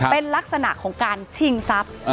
เป็นลักษณะของการชิงทรัพย์